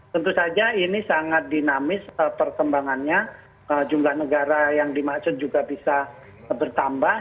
tentu saja ini sangat dinamis perkembangannya jumlah negara yang dimaksud juga bisa bertambah